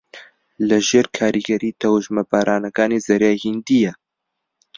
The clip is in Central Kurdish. لەژێر کاریگەری تەوژمە بارانەکانی زەریای ھیندییە